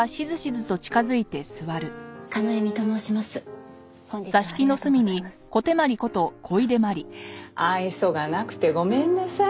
フフッ愛想がなくてごめんなさい。